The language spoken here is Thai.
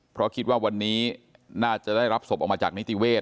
เพราะคิดว่าวันนี้น่าจะได้รับศพออกมาจากนิติเวศ